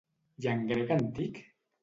I en grec antic?